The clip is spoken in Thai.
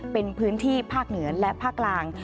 เป็นพื้นที่ภาคเหนือและภาคกลาง